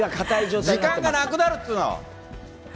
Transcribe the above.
太田、時間がなくなるっつうの。